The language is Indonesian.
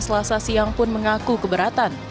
selasa siang pun mengaku keberatan